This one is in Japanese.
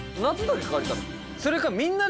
それか。